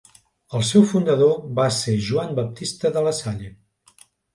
El seu fundador va ser Joan Baptista de la Salle.